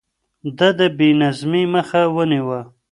ده د بې نظمۍ مخه ونيوه.